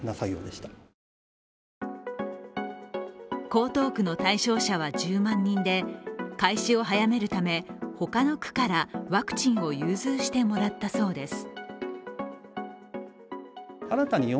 江東区の対象者は１０万人で開始を早めるため、他の区からワクチンを融通してもらったそうです。